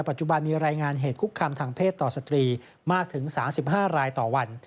ปัจจุบันมีรายงานเหตุคุกคามทางเพศต่อสตรีมากถึง๓๕รายต่อวัน